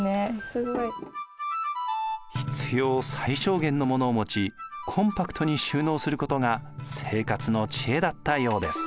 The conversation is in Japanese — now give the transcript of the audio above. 必要最小限のものを持ちコンパクトに収納することが生活の知恵だったようです。